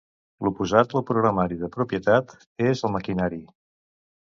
L'oposat al programari de propietat és el maquinari.